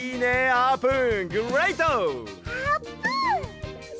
あーぷん！